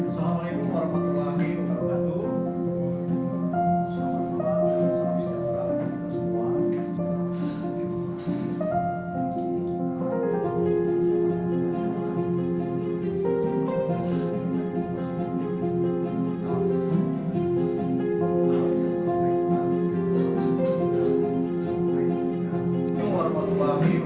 saya sebelumnya mau ucapkan terima kasih